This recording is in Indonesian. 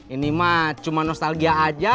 ini mah cuma nostalgia aja